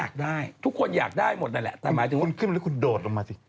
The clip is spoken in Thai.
คุณขึ้นมาแล้วคุณโดดลงมาสิ